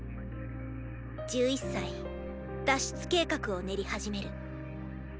１１歳脱出計画を練り始める。